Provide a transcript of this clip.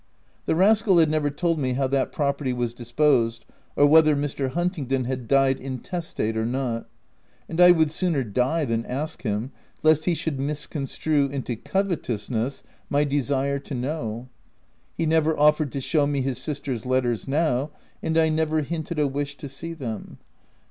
The rascal had never told me how that property was disposed, or whether Mr. Hunt ingdon had died intestate or not ; and I would sooner die than ask him, lest he should miscon strue into covetousness my desire to know. He never offered to show me his sister's letters now ; and I never hinted a wish to see them.